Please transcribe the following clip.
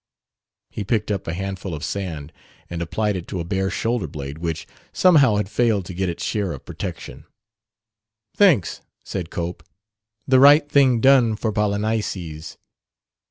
He picked up a handful of sand and applied it to a bare shoulder blade which somehow had failed to get its share of protection. "Thanks," said Cope: "the right thing done for Polynices.